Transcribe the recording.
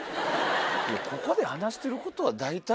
ここで話してることは大体は。